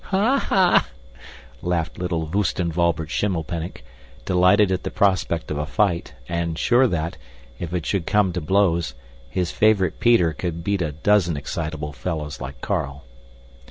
"Ha, ha!" laughed little Voostenwalbert Schimmelpenninck, delighted at the prospect of a fight, and sure that, if it should come to blows, his favorite Peter could beat a dozen excitable fellows like Carl.